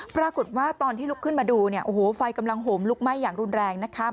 ปรากฏว่าตอนที่ลุกขึ้นมาดูไฟกำลังห่มลุกไหม้อย่างรุนแรงนะคะ